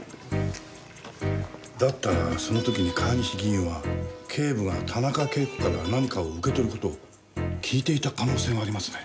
だったらその時に川西議員は警部が田中啓子から何かを受け取る事を聞いていた可能性がありますね。